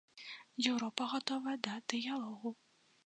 Еўропа гатовая да дыялогу.